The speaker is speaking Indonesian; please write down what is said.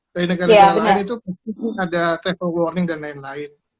dari negara negara lain itu mungkin ada travel warning dan lain lain